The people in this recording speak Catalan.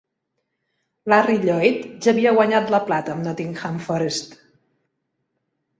Larry Lloyd ja havia guanyat la plata amb Nottingham Forest.